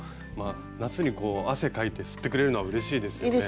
夏にこう汗かいて吸ってくれるのはうれしいですよね。